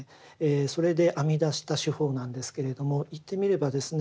それで編み出した手法なんですけれども言ってみればですね